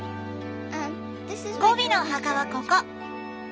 ゴビのお墓はここ！